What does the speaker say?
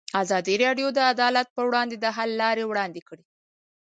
ازادي راډیو د عدالت پر وړاندې د حل لارې وړاندې کړي.